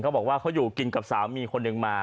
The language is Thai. เขาบอกว่าเขาอยู่กินกับสามีคนหนึ่งมา